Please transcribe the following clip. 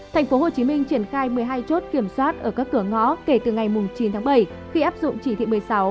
tp hcm triển khai một mươi hai chốt kiểm soát ở các cửa ngõ kể từ ngày chín tháng bảy khi áp dụng chỉ thị một mươi sáu